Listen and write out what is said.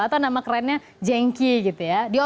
atau nama kerennya jengki gitu ya